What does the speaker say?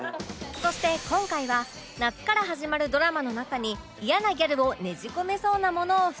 そして今回は夏から始まるドラマの中に嫌なギャルをねじ込めそうなものを２つ発見